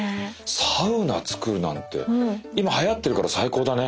サウナ造るなんて今はやってるから最高だね。